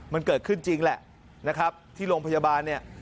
มันเกิดขึ้นจริงแหละนะครับที่โรงพยาบาลเนี่ย